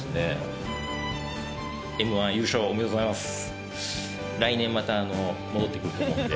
『Ｍ−１』優勝おめでとうございます。